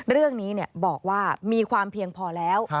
เรื่องนี้บอกว่ามีความเพียงพอแล้ว